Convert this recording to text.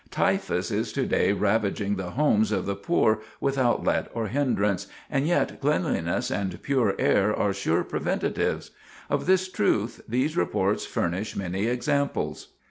Typhus is to day ravaging the homes of the poor without "let or hindrance," and yet cleanliness and pure air are sure preventives. Of this truth these reports furnish many examples.